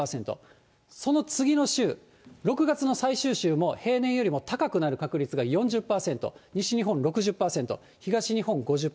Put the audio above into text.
その次の週、６月の最終週も平年よりも高くなる確率が４０％、西日本６０％、東日本５０％。